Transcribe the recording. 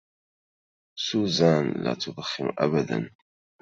سوزان لا تدخن ابداً